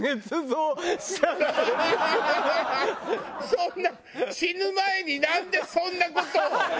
そんな死ぬ前になんでそんな事を！